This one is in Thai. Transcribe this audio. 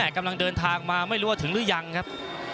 กำลังเดินทางมาไม่รู้ว่าถึงหรือยังครับ